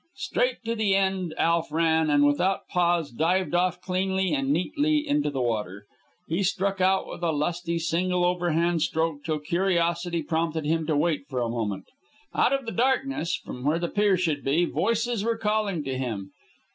Straight to the end Alf ran, and, without pause, dived off cleanly and neatly into the water. He struck out with a lusty, single overhand stroke till curiosity prompted him to halt for a moment. Out of the darkness, from where the pier should be, voices were calling to him.